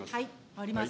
終わります。